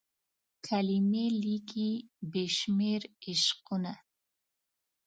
کلمې لیکي بې شمیر عشقونه